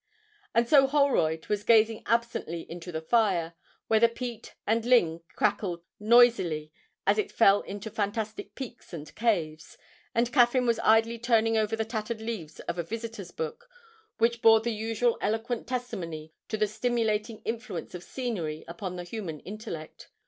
And so Holroyd was gazing absently into the fire, where the peat and ling crackled noisily as it fell into fantastic peaks and caves, and Caffyn was idly turning over the tattered leaves of a visitors' book, which bore the usual eloquent testimony to the stimulating influence of scenery upon the human intellect.